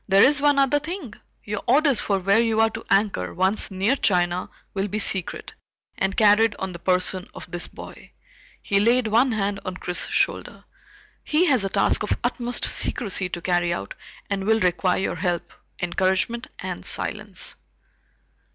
"There is one other thing. Your orders for where you are to anchor, once near China, will be secret, and carried on the person of this boy." He laid one hand on Chris's shoulder. "He has a task of utmost secrecy to carry out and will require your help, encouragement, and silence."